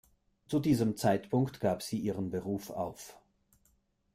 Zu diesem Zeitpunkt gab sie ihren Beruf auf.